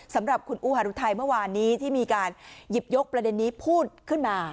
สำหรับคุณอูฮารุทัยเมื่อวานนี้ที่มีการหยิบยกประเด็นนี้พูดขึ้นมา